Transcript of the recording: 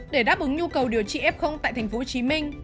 để đáp ứng nhu cầu điều trị f tại thành phố hồ chí minh